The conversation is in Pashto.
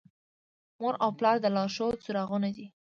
مور او پلار د لارښود څراغونه دي.